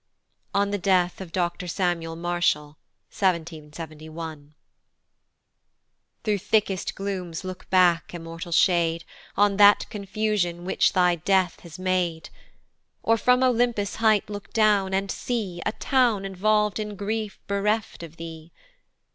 On the Death of Dr. SAMUEL MARSHALL. 1771. THROUGH thickest glooms look back, immortal shade, On that confusion which thy death has made: Or from Olympus' height look down, and see A Town involv'd in grief bereft of thee.